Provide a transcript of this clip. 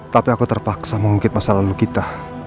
tapi aku terpaksa mengungkit masa lalu kita